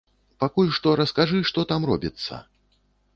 Пакуль што раскажы, што там робіцца.